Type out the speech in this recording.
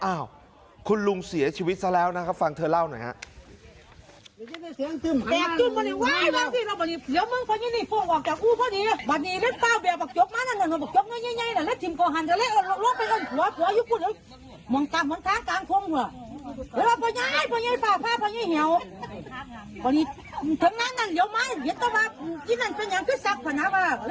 อ้าวคุณลุงเสียชีวิตซะแล้วนะครับฟังเธอเล่าหน่อยฮะ